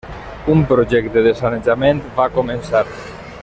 Un projecte de sanejament va començar.